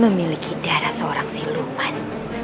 memiliki darah seorang siluman